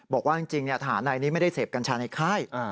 บอกว่าจริงทหารนายนี้ไม่ได้เสพกัญชาในค่าย